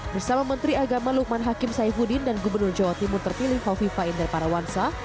bersama menteri agama lukman hakim saifuddin dan gubernur jawa timur terpilih kofi fahim darparawansa